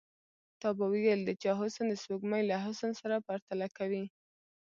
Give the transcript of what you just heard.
تا به ويل د چا حسن د سپوږمۍ له حسن سره پرتله کوي.